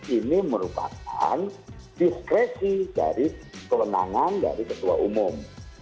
ini merupakan diskresi dari kewenangan dari ketua umum